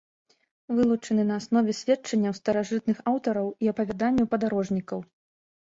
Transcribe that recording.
Вылучаны на аснове сведчанняў старажытных аўтараў і апавяданняў падарожнікаў.